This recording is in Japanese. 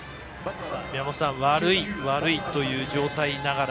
宮本さん、悪い悪いという状態ながら